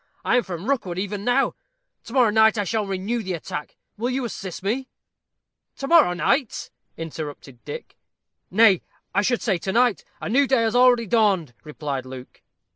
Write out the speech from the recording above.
I am from Rookwood even now. To morrow night I shall renew the attack. Will you assist me?" "To morrow night!" interrupted Dick. "Nay, I should say to night. A new day has already dawned," replied Luke.